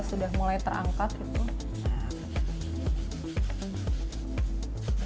sudah mulai terangkat gitu